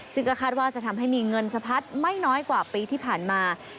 ซึ่งก็คาดว่าจะทำให้มีเงินสะพัดไม่น้อยกว่าปีที่ผ่านมา